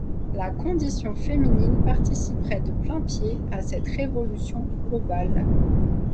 La condition féminine participerait de plain-pied à cette révolution globale.